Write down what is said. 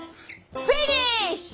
フィニッシュ！